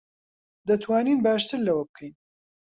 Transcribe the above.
دەتوانین باشتر لەوە بکەین.